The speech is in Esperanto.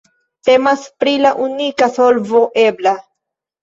Temas pri la unika solvo ebla.